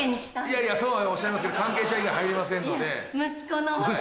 いやいやそうおっしゃいますけど関係者以外入れませんので。